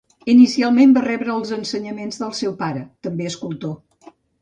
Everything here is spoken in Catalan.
Inicialment va rebre els ensenyaments del seu pare, també escultor.